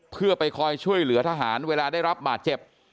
เพื่อไปคอยช่วยเหลือทหารเวลาได้รับบาดเจ็บ